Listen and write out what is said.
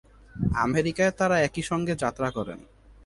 আমেরিকায় তারা একই সঙ্গে যাত্রা করেন।